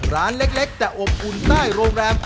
ร้านเล็กแต่อบอุ่นใต้โรงแรม